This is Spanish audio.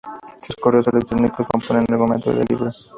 Sus correos electrónicos componen el argumento del libro.